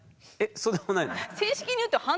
そうでもないの？